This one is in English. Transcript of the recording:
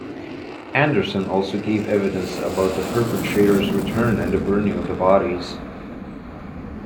Anderson also gave evidence about the perpetrators' return and the burning of the bodies.